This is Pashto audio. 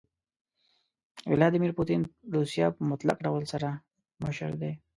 ويلاديمير پوتين روسيه په مطلق ډول سره مشر دي.